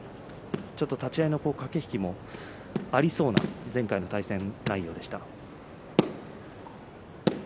ちょっと立ち合いの駆け引きもありそうな前回の対戦内容でした。